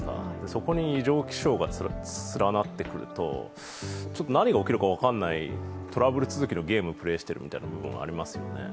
そこに異常気象が連なってくると何が起きるか分からない、トラブル続きのゲームをプレーしている気分になりますよね。